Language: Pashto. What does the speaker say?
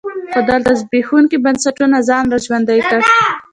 خو دلته زبېښونکي بنسټونو ځان را ژوندی کړ.